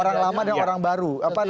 orang lama dan orang baru apa namanya